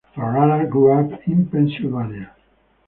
Ferrara grew up in Pennsylvania.